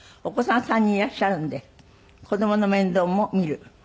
お子さん３人いらっしゃるので子供の面倒も見る。